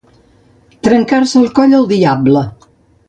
Trencar-se el coll el diable.